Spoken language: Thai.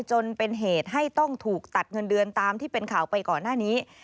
จนเป็นเหตุให้ต้องถูกตัดเงินเดือนตามที่เป็นข่าวไปก่อนหน้านี้